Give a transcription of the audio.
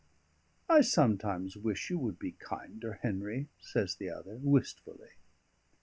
"I sometimes wish you would be kinder, Henry," says the other wistfully.